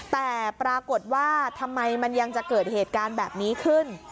แต่ปรากฏว่าทำไมมันยังจะเกิดเหตุการณ์แบบนี้ขึ้น